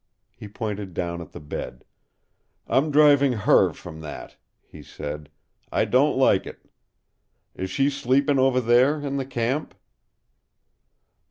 He pointed down at the bed. "I'm driving HER from that," he said. "I don't like it. Is she sleepin' over there in the camp?"